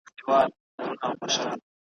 هم پر شمع، هم پانوس باندي ماښام سو ,